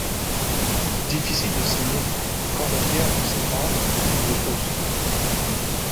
Difficile de s’aimer quand la guerre vous sépare ou vous oppose…